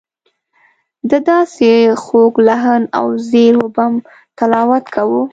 ده داسې خوږ لحن او زیر و بم تلاوت کاوه.